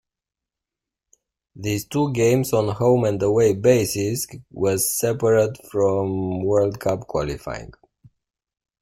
These two games on home-and-away basis was separate from World Cup qualifying.